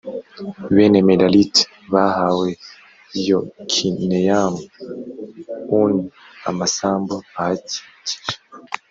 bene merari t bahawe yokineyamu u n amasambu ahakikije